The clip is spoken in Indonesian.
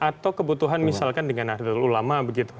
atau kebutuhan misalkan dengan nahdlatul ulama begitu